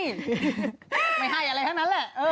ไม่ให้อะไรทั้งนั้นแหละ